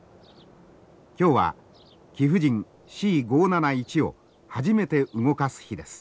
今日は貴婦人Ｃ５７１を初めて動かす日です。